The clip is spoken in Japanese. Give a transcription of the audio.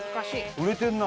売れてるな。